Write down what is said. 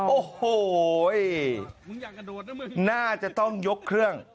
โอ้โหน่าจะต้องยกเครื่อง